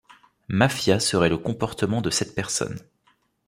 Mafia serait le comportement de cette personne.